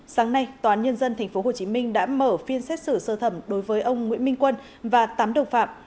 sáng nay toán nhân dân tp hcm đã mở phiên xét xử sơ thẩm đối với ông nguyễn minh quân và tám độc phạm